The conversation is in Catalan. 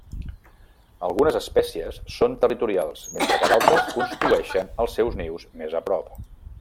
Algunes espècies són territorials, mentre que d'altres construeixen els seus nius més a prop.